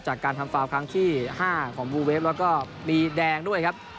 จากการทำฟาวครั้งที่๕ของบลูเวฟแล้วก็มีแดงด้วยครับ